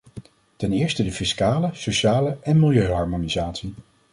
Ten eerste de fiscale, sociale en milieuharmonisatie.